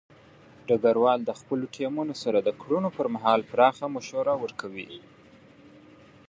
ډګروال د خپلو ټیمونو سره د کړنو پر مهال پراخه مشوره ورکوي.